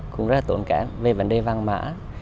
cũng rất là tốn kém về vấn đề vàng mã